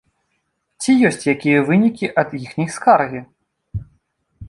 Ці ёсць якія вынікі ад іхняй скаргі?